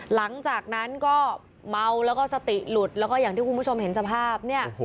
หลังจากนั้นก็เมาแล้วก็สติหลุดแล้วก็อย่างที่คุณผู้ชมเห็นสภาพเนี่ย